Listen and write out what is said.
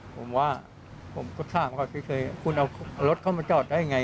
ผมว่าผมก็ถามว่าคุณเอารถเข้ามาจอดได้ไง